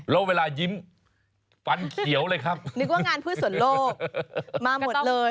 แล้วเวลายิ้มฟันเขียวเลยครับนึกว่างานพืชส่วนโลกมาหมดเลย